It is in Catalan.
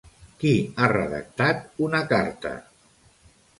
Qui ha redactat una carta?